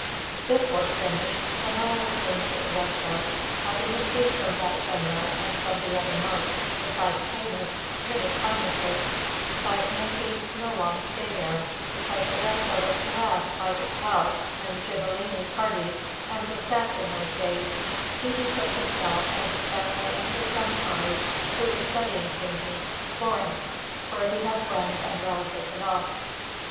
This work finished, Spinello returned to Arezzo, having received from that General and from the other monks, besides payment, many kindnesses; but making no long stay there, because Arezzo was harassed by the Guelph and Ghibelline parties, and was sacked in those days, he betook himself with his family and his son Parri, who was studying painting, to Florence, where he had friends and relatives enough.